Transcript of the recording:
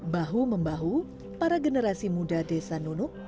bahu membahu para generasi muda desa nunuk